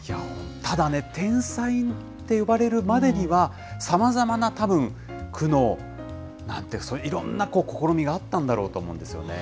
ただね、天才って呼ばれるまでには、さまざまなたぶん、苦悩、いろんな試みがあったんだろうと思うんですよね。